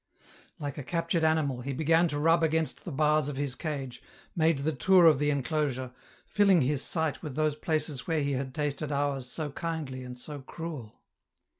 Like a captured animal, he began to rub against the bars of his cage, made the tour of the enclosure, filling his sight with those places where he had tasted hours so kindly and so cruel.